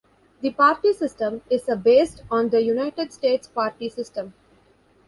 The party system is a based on the United States party system.